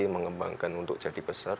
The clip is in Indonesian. mengembangkan untuk jadi besar